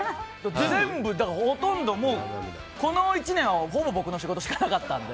全部ほとんどこの１年はほぼ僕の仕事しかなかったので。